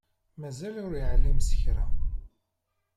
Mazal ur yeεlim s kra.